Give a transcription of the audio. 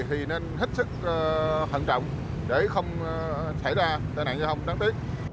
thì nên hít sức hận trọng để không xảy ra tai nạn giới hông đáng tiếc